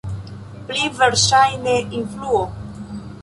Pli verŝajne influo.